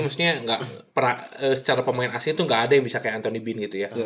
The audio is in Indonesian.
maksudnya secara pemain asing itu gak ada yang bisa kayak anthony bean gitu ya